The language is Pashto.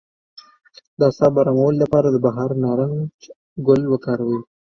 د اعصابو ارامولو لپاره د بهار نارنج ګل وکاروئ